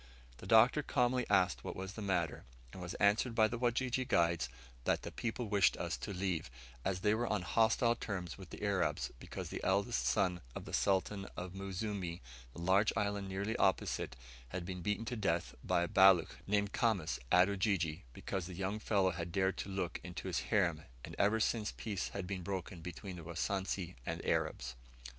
The Doctor calmly asked what was the matter, and was answered by the Wajiji guides that the people wished us to leave, as they were on hostile terms with the Arabs, because the eldest son of the Sultan of Muzimu, the large island nearly opposite, had been beaten to death by a Baluch, named Khamis, at Ujiji, because the young fellow had dared look into his harem, and ever since peace had been broken between the Wasansi and Arabs.